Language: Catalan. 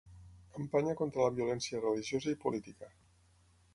Campanya contra la violència religiosa i política.